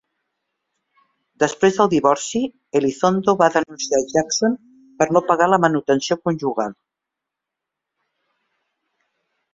Després del divorci, Elizondo va denunciar Jackson per no pagar la manutenció conjugal.